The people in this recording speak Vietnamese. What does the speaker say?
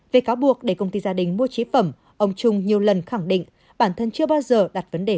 về cáo buộc để công ty gia đình mua chế phẩm ông trung nhiều lần khẳng định bản thân chưa bao giờ đặt vấn đề